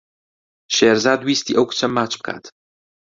شێرزاد ویستی ئەو کچە ماچ بکات.